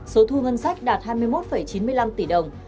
số thu ngân sách đạt hai mươi một chín mươi năm tỷ đồng